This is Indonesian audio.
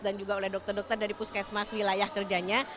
dan juga oleh dokter dokter dari puskesmas wilayah kerjanya